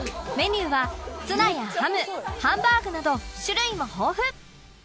メニューはツナやハムハンバーグなど種類も豊富